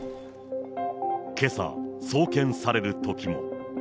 けさ、送検されるときも。